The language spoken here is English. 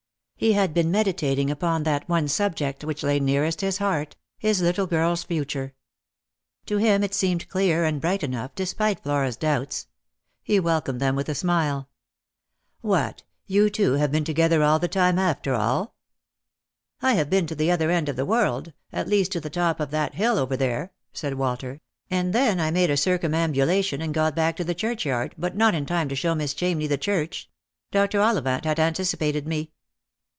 He had been meditating upon that one subject which lay nearest his heart — his little girl's future. To him it seemed clear and bright enough, despite Flora's doubts. He welcomed them with a smile. " What ! you two have been together all the time, after all ?"" I have been to the other end of the world — at least to the top of that hill over there," said Walter ;" and then I made a circumambulation and got back to the churchyard, but not in time to show Miss Chamney the church. Dr. Ollivant had anticipated me."